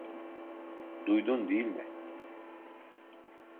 Duydun değil mi?